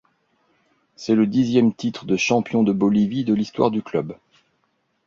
C'est le dixième titre de champion de Bolivie de l'histoire du club.